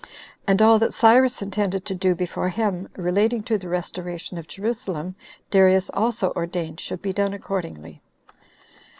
And all that Cyrus intended to do before him relating to the restoration of Jerusalem, Darius also ordained should be done accordingly.